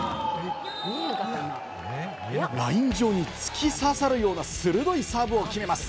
ライン上に突き刺さるような鋭いサーブを決めます。